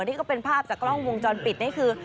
นี่ก็เป็นภาพจากกล้องวงจอนปิด